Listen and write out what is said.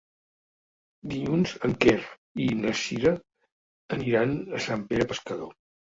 Dilluns en Quer i na Sira aniran a Sant Pere Pescador.